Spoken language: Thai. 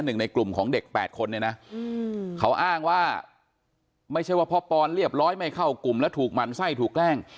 หนึ่งในกลุ่มของเด็ก๘คนเนี่ยนะเขาอ้างว่าไม่ใช่ว่าพ่อปอนเรียบร้อยไม่เข้ากลุ่มแล้วถูกหมั่นไส้ถูกแกล้ง